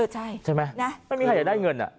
ใช่ไหมไม่มีใครอยากได้เงิน